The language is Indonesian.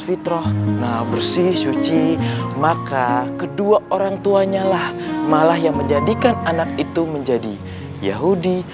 fitroh nah bersih suci maka kedua orang tuanya lah malah yang menjadikan anak itu menjadi yahudi